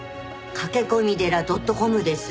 駆け込み寺ドットコムです。